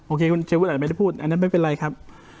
โคคุณเชวุธอาจจะไม่ได้พูดอันนั้นไม่เป็นไรครับ